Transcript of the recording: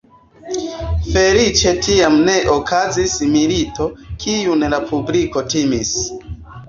Feliĉe tiam ne okazis milito, kiun la publiko timis.